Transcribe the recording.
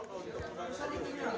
terima kasih banyak